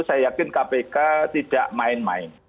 saya yakin kpk tidak main main